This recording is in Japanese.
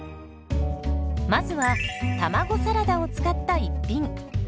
まずは卵サラダを使った一品。